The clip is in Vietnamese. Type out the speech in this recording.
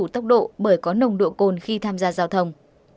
không làm chủ tốc độ bởi có nồng độ cồn khi tham gia giao thông